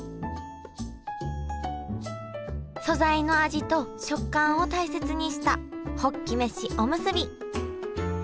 素材の味と食感を大切にしたホッキ飯おむすび。